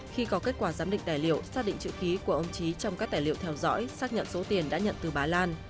khi có kết quả giám định tài liệu xác định chữ ký của ông trí trong các tài liệu theo dõi xác nhận số tiền đã nhận từ bà lan